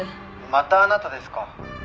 「またあなたですか」